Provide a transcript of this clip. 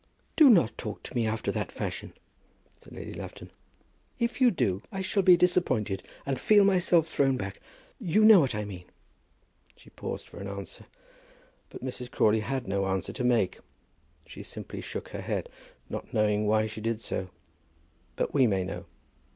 "Do not talk to me after that fashion," said Lady Lufton. "If you do I shall be disappointed, and feel myself thrown back. You know what I mean." She paused for an answer; but Mrs. Crawley had no answer to make. She simply shook her head, not knowing why she did so. But we may know.